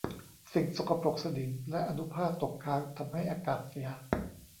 สิ่งสกปรกสนิมและอนุภาคตกค้างทำให้อากาศเสีย